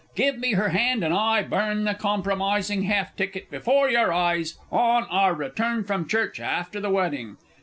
Give me her hand, and I burn the compromising half ticket before your eyes on our return from church after the wedding.